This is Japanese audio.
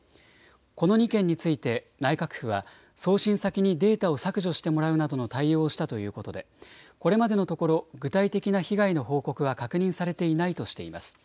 この２件について内閣府は送信先にデータを削除してもらうなどの対応をしたということでこれまでのところ具体的な被害の報告は確認されていないとしています。